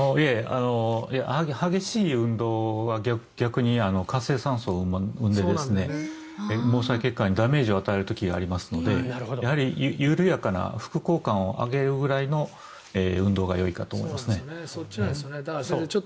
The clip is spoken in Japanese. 激しい運動は逆に活性酸素を生んで毛細血管にダメージを与える時がありますのでやはり緩やかな副交感を上げるぐらいの運動がよいかと思いますね。